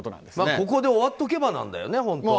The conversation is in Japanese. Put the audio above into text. ここで終わっておけばなんだよね、本当は。